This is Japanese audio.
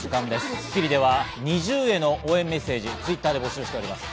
『スッキリ』ではＮｉｚｉＵへの応援メッセージ、Ｔｗｉｔｔｅｒで募集しております。